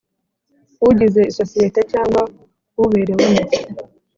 Ugize isosiyete cyangwa uberewemo